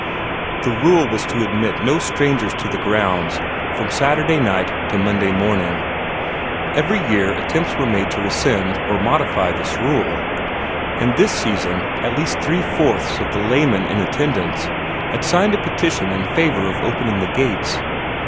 The rule was to admit no strangers to the grounds from Saturday night to Monday morning. Every year attempts were made to rescind or modify this rule, and this season at least three fourths of the laymen in attendance had signed a petition in favor of opening the gates.